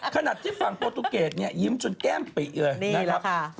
ขนาดที่ฝั่งโปรตูเกตยิ้มจนแก้มปิเลยนั่นแหละครับ